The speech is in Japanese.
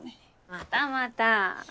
またまた。